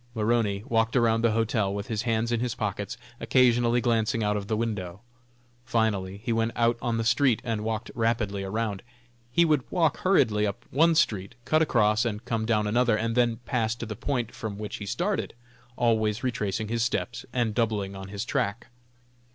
Maroney walked around the hotel, with his hands in his pockets, occasionally glancing out of the window. Finally he went out on the street and walked rapidly around. He would walk hurriedly up one street, cut across, and come down another, and then pass to the point from which he started, always retracing his steps, and doubling on his track.